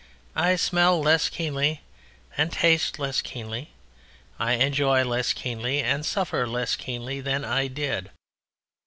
I smell less keenly and taste less keenly, I enjoy less keenly and suffer less keenly than I did.